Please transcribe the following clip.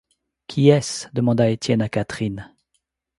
Qui est-ce? demanda Étienne à Catherine.